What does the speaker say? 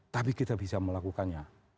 tapi kita bisa melakukannya